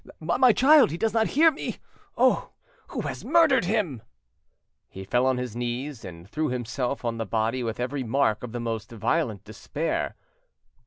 My child he does not hear me! Oh, who has murdered him?" He fell on his knees, and threw himself on the body with every mark of the most violent despair.